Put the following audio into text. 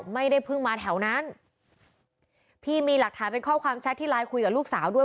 ไม่ได้เพิ่งมาแถวนั้นพี่มีหลักฐานเป็นข้อความแชทที่ไลน์คุยกับลูกสาวด้วย